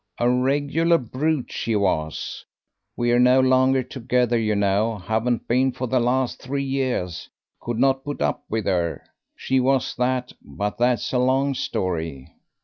"A regular brute she was we're no longer together, you know; haven't been for the last three years; could not put up with 'er. She was that but that's a long story."